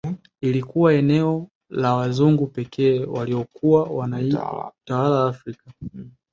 Iilikuwa eneo la wazungu pekee waliokuwa wanaitawala Afrika